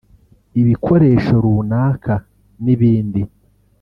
ibikoresho runaka n’ibindi